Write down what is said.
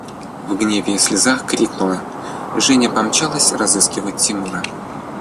В гневе и слезах крикнула Женя и помчалась разыскивать Тимура.